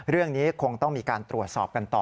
เรื่องนี้คงต้องมีการตรวจสอบกันต่อ